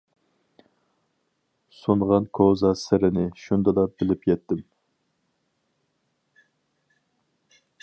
سۇنغان كوزا سىرىنى، شۇندىلا بىلىپ يەتتىم.